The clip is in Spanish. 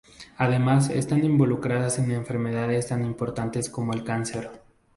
Además están involucradas en enfermedades tan importantes como el cáncer.